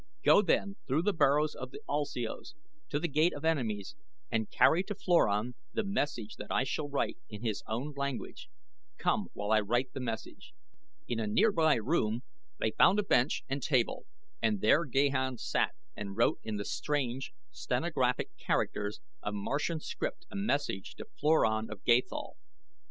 "Go then, through the burrows of the ulsios, to The Gate of Enemies and carry to Floran the message that I shall write in his own language. Come, while I write the message." In a nearby room they found a bench and table and there Gahan sat and wrote in the strange, stenographic characters of Martian script a message to Floran of Gathol.